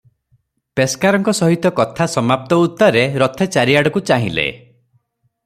ପେସ୍କାରଙ୍କ ସହିତ କଥା ସମାପ୍ତ ଉତ୍ତାରେ ରଥେ ଚାରିଆଡ଼କୁ ଚାହିଁଲେ ।